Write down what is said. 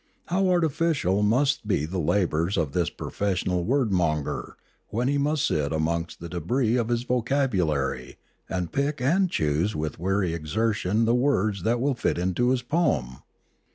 How artificial must be the labours of this profes sional word monger, when he must sit amongst the debris of his vocabulary, and pick and choose with weary exertion the words that will fit into his poem